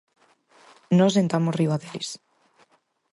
Nós sentamos riba deles.